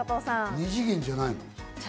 二次元じゃない？